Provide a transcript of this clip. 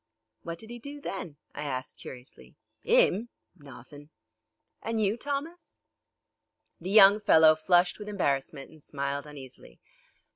"What did he do then?" I asked curiously. "'Im? Nawthin'." "And you, Thomas?" The young fellow flushed with embarrassment and smiled uneasily.